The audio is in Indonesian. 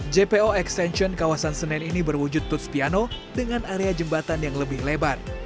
jpo extension kawasan senen ini berwujud tuts piano dengan area jembatan yang lebih lebar